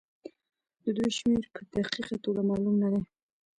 د دوی شمېر په دقيقه توګه معلوم نه دی.